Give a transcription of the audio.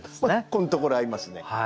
このところ会いますね。